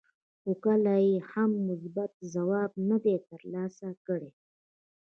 خو کله یې هم مثبت ځواب نه دی ترلاسه کړی.